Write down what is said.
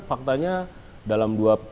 faktanya dalam dua